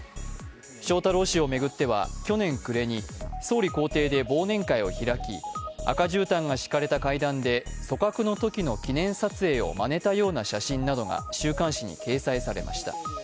翔太郎氏を巡っては去年暮れに総理公邸で忘年会を開き赤じゅうたんが敷かれた階段で組閣のときの記念撮影をまねたような写真などが週刊誌に掲載されました。